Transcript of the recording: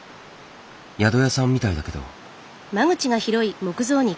宿屋さんみたいだけど。